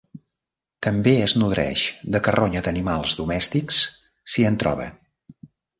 També es nodreix de carronya i d'animals domèstics, si en troba.